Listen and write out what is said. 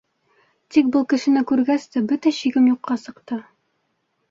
Тик был кешене күргәс тә бөтә шигем юҡҡа сыҡты.